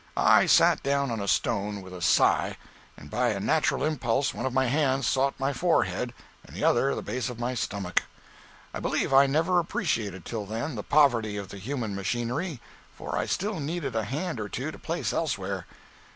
I sat down on a stone, with a sigh, and by a natural impulse one of my hands sought my forehead, and the other the base of my stomach. I believe I never appreciated, till then, the poverty of the human machinery—for I still needed a hand or two to place elsewhere.